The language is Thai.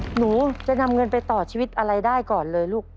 หนูจะนำเงินไปต่อชีวิตอะไรได้ก่อนเลยลูก